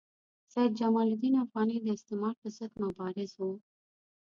سید جمال الدین افغاني د استعمار پر ضد مبارز وو.